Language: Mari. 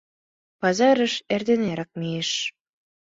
Пазарыш эрдене эрак мийыш.